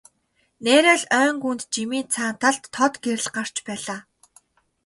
Нээрээ л ойн гүнд жимийн зүүн талд тод гэрэл гарч байлаа.